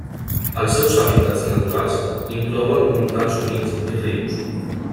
Els seus hàbitats naturals inclouen montans humits i rius.